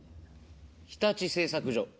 日立製作所。